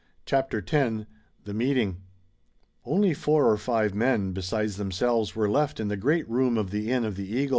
CHAPTER X THE MEETING Only four or five men, besides themselves, were left in the great room of the Inn of the Eagle.